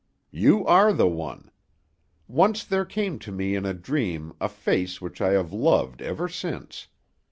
"You are the one. Once there came to me in a dream a face which I have loved ever since.